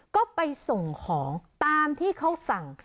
ก็ไปส่งของตามที่เขาสั่ง